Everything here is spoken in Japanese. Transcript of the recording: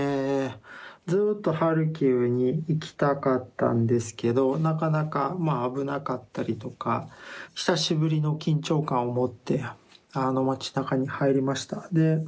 ずっとハルキウに行きたかったんですけどなかなかまあ危なかったりとか久しぶりの緊張感を持って町なかに入りました。